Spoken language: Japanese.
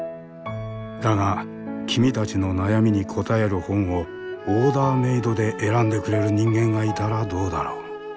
だが君たちの悩みに答える本をオーダーメードで選んでくれる人間がいたらどうだろう？